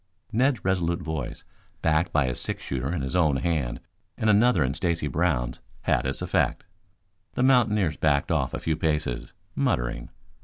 Ned's resolute voice, backed by a six shooter in his own hand and another in Stacy Brown's, had its effect. The mountaineers backed off a few paces, muttering.